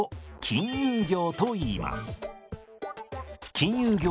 金融業